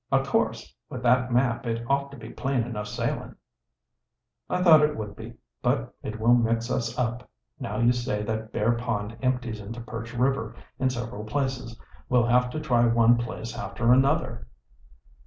O' course, with that map it ought to be plain enough sailin'." "I thought it would be, but it will mix us up, now you say that Bear Pond empties into Perch River in several places. We'll have to try one place after another."